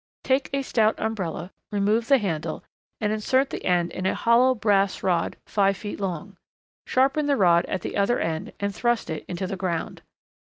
Take a stout umbrella, remove the handle, and insert the end in a hollow brass rod five feet long. Sharpen the rod at the other end and thrust it into the ground.